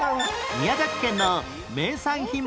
宮崎県の名産品問題